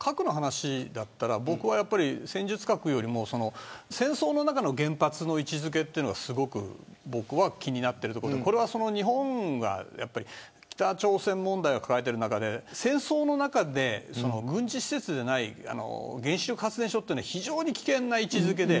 核の話なら僕は戦術核より戦争の中の原発の位置付けが気になっているところで日本は北朝鮮問題を抱えている中で戦争の中で軍事施設ではない原子力発電所は非常に危険な位置付けで